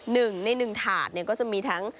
นึงในหนึ่งถาดก็จะมีทั้ง